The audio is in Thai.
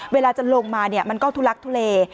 เวลาจะลงมามันก็ทุลักทุเล